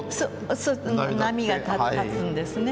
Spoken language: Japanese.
そう波が立つんですね。